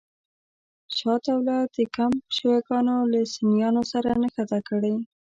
شجاع الدوله د کمپ شیعه ګانو له سنیانو سره نښته کړې.